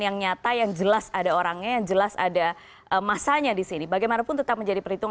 yang nyata yang jelas ada orangnya yang jelas ada masanya di sini bagaimanapun tetap menjadi perhitungan